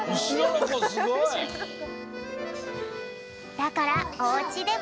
だからおうちでも。